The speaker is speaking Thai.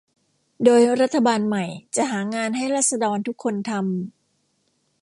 โดยรัฐบาลใหม่จะหางานให้ราษฎรทุกคนทำ